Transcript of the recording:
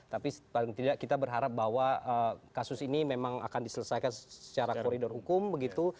tapi paling tidak kita berharap bahwa kasus ini memang akan diselesaikan secara koridor hukum begitu